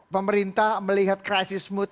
pemerintah melihat crisis mood